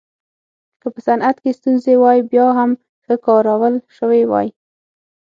که په صنعت کې ستونزې وای بیا هم ښه کارول شوې وای.